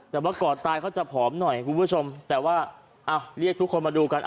แต่ว่าก่อนตายเขาจะผอมหน่อยคุณผู้ชมแต่ว่าเรียกทุกคนมาดูกัน